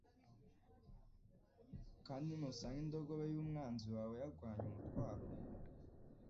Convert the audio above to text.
Kandi nusanga indogobe y'umwanzi wawe yagwanye umutwaro